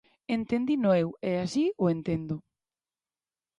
Entendino eu, e así o entendo.